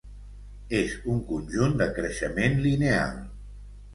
És un conjunt de creixement lineal.